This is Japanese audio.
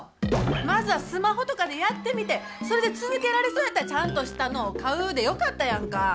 まずはスマホとかでやってみてそれで続けられそうやったらちゃんとしたのを買うでよかったやんか。